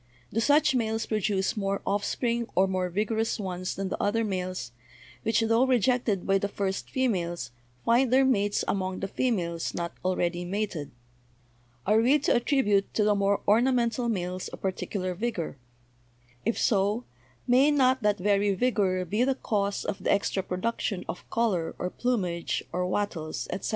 Do such males produce more offspring or more vigorous ones than the other males, which, tho rejected by the first females, find their mates among the females not already mated? Are we to at tribute to the more ornamental males a particular vigor? If so, may not that very vigor be the cause of the extra production of color or plumage or wattles, etc.?